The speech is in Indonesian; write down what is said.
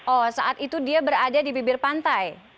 oh saat itu dia berada di bibir pantai